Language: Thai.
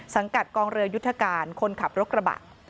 สังกัดกองเรือยุทธการคนขับรถกระบะ